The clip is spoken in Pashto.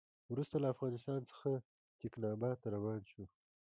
وروسته له افغانستان څخه تکیناباد ته روان شو.